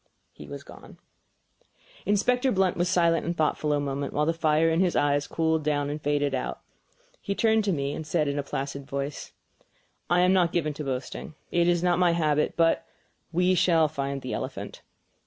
He was gone. Inspector Blunt was silent and thoughtful a moment, while the fire in his eye cooled down and faded out. Then he turned to me and said in a placid voice: "I am not given to boasting, it is not my habit; but we shall find the elephant."